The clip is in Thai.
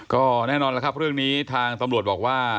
ก็แน่นอนแล้วครับเรื่องนี้ทางตำรวจบอกว่า